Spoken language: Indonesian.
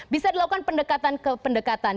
bisa dilakukan pendekatan ke pendekatan